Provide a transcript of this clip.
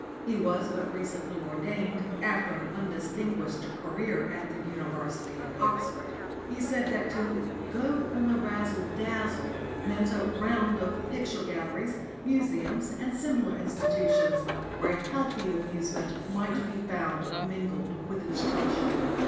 He was but recently ordained, after an undistinguished career at the University of Oxford. He said that to "go on the razzle dazzle" meant a round of picture galleries, museums, and similar institutions, where healthy amusement might be found mingled with instruction.